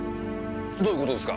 どういう事ですか？